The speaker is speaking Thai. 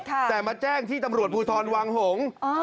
แต่มาแจ้งที่ตำรวจภูทรวังหงษ์